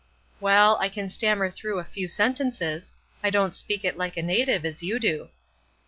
"Well, I can stammer through a few sentences. I don't speak it like a native as you do."